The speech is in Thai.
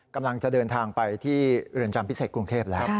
กำลังจะเดินทางไปที่เรือนจำพิเศษกรุงเทพแล้ว